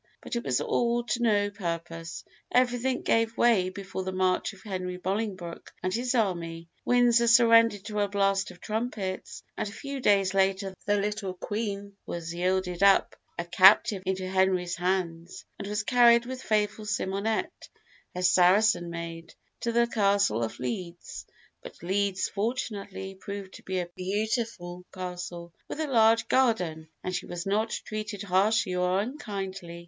But it was all to no purpose. Everything gave way before the march of Henry Bolingbroke and his army. Windsor surrendered to a blast of trumpets, and a few days later the little Queen was yielded up a captive into Henry's hands, and was carried with faithful Simonette, her Saracen maid, to the Castle of Ledes; but Ledes, fortunately, proved to be a beautiful castle, with a large garden, and she was not treated harshly or unkindly.